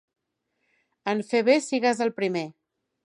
En fer bé sigues el primer.